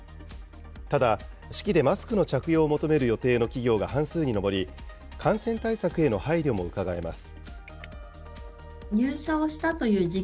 ただ、式でマスクの着用を求める予定の企業が半数に上り、感染対策への配慮もうかがえます。